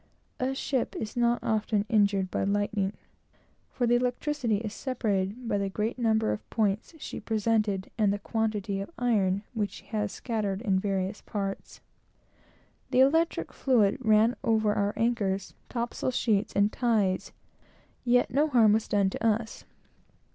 A ship is not often injured by lightning, for the electricity is separated by the great number of points she presents, and the quantity of iron which she has scattered in various parts. The electric fluid ran over our anchors, top sail sheets and ties; yet no harm was done to us.